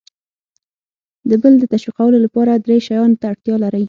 د بل د تشویقولو لپاره درې شیانو ته اړتیا لر ئ :